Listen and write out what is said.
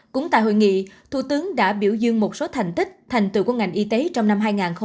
cũng tại hội nghị thủ tướng đã biểu dương một số thành tích thành tựu của ngành y tế trong năm hai nghìn hai mươi